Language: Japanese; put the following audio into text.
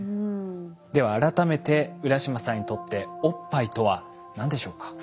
では改めて浦島さんにとっておっぱいとは何でしょうか？